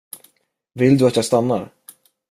Vill du att jag stannar?